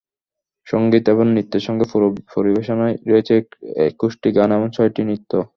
সংগীত এবং নৃত্যের সঙ্গে পুরো পরিবেশনায় রয়েছে একুশটি গান এবং ছয়টি নৃত্য।